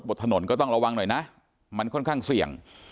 ถนนก็ต้องระวังหน่อยนะมันค่อนข้างเสี่ยง